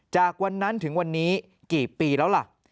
จากวันนั้นถึงวันนี้กี่ปีแล้วล่ะ